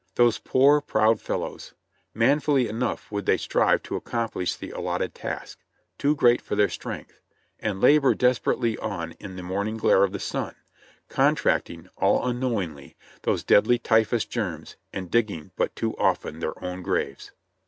Those poor, proud • fellows ! Manfully enough would they strive to accomplish the allotted task, too great for their strength, and labor desperately on in the morning glare of the sun, con tracting, all unknowingly, those deadly typhus germs, and dig ging but too often their own graves.